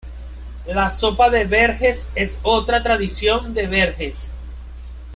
La Sopa de Verges es otra tradición de Verges.